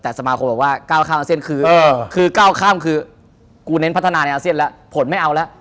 แต่สมาคมบอกว่า๙ข้ามอาเซียนคือกูเน้นพัฒนาในอาเซียนแล้วผลไม่เอาแล้ว